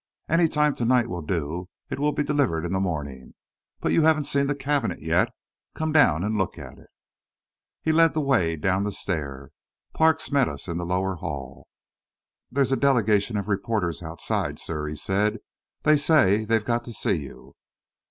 "Any time to night will do. It will be delivered in the morning. But you haven't seen the cabinet yet. Come down and look at it." He led the way down the stair. Parks met us in the lower hall. "There's a delegation of reporters outside, sir," he said. "They say they've got to see you."